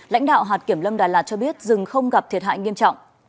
lãnh đạo hạt kiểm lâm đà lạt cho biết rừng không gặp thiệt hại nghiêm trọng